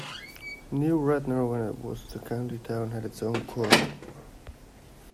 New Radnor when it was the county town had its own Court.